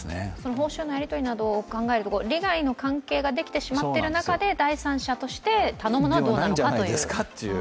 報酬のやり取りなどを考えると利害の関係ができてしまってる中で第三者として、頼むのはどうなんじゃないかと。